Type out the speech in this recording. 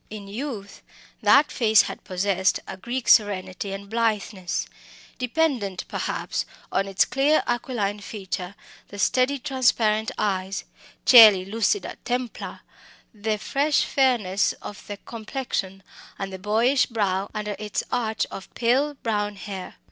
In youth that face had possessed a Greek serenity and blitheness, dependent perhaps on its clear aquiline feature, the steady transparent eyes coeli lucida templa the fresh fairness of the complexion, and the boyish brow under its arch of pale brown hair.